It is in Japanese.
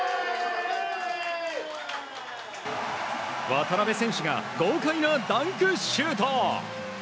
渡邊選手が豪快なダンクシュート。